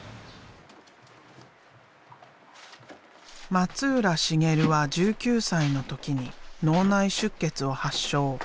松浦繁は１９歳の時に脳内出血を発症。